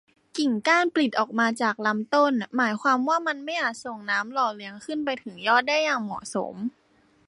กิ่งก้านปลิดออกมาจากลำต้น หมายความว่ามันไม่อาจส่งน้ำหล่อเลี้ยงขึ้นไปถึงยอดได้อย่างเหมาะสม